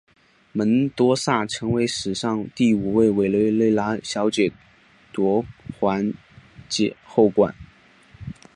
门多萨成为了史上第五位委内瑞拉小姐夺环姐后冠。